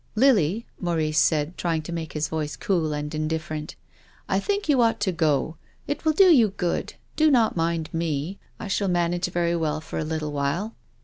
" Lily," Maurice said, trying to make his voice cool and indifferent, " I think you ought to go. It will do you good. Do not mind me. I shall manage very well for a little while."